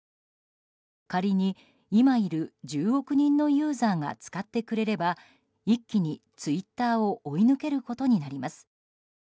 仮に、今いる１０億人のユーザーが使ってくれれば一気にツイッターを追い抜けることになります。